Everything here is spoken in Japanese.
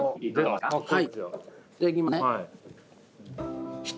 はい。